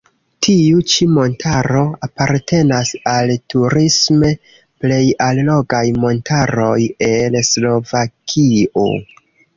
Tiu ĉi montaro apartenas al turisme plej allogaj montaroj en Slovakio.